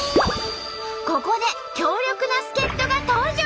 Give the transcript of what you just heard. ここで強力な助っ人が登場！